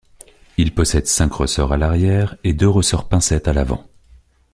Il possède cinq ressorts à l'arrière et deux ressorts pincettes à l'avant.